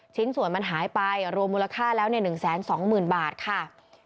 ชิ้นส่วนมันหายไปรวมมูลค่าแล้วเนี่ยหนึ่งแสนสองหมื่นบาทค่ะ